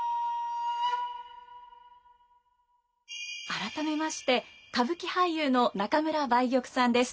改めまして歌舞伎俳優の中村梅玉さんです。